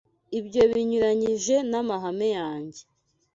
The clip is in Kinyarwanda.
Ibyo binyuranyije n'amahame yanjye.